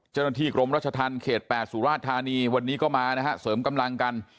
เจ้าหน้าที่กรมรัชธรรมเขต๘สุราชธานีวันนี้ก็มานะฮะเสริมกำลังกัน